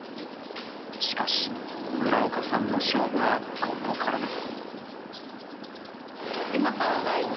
しかし、村岡さんの勝負はここからです。